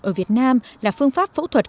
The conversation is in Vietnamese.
ở việt nam là phương pháp phẫu thuật